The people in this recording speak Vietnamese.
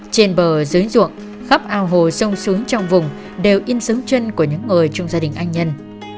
trên bờ dưới ruộng khắp ao hồ sông xuống trong vùng đều yên sướng chân của những người trong gia đình anh nhân